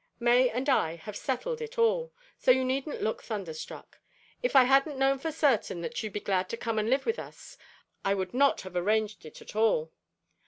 May and I have settled it all, so you needn't look thunderstruck. If I hadn't known for certain that you'd be glad to come and live with us I would not have arranged it at all.